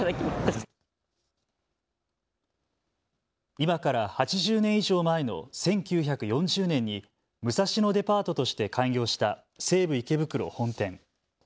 今から８０年以上前の１９４０年に武蔵野デパートとして開業した西武池袋本店。